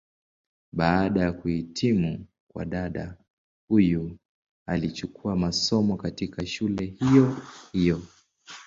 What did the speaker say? Baada ya kuhitimu kwa dada huyu alichukua masomo, katika shule hiyo hiyo.